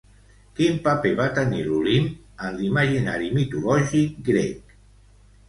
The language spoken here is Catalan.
Quin paper va tenir l'Olimp en l'imaginari mitològic grec?